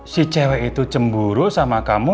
si cewek itu cemburu sama kamu